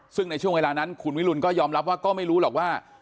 ซึ่งในช่วงเวลานั้นคุณวิรุณก็ยอมรับว่าก็ไม่รู้หรอกว่า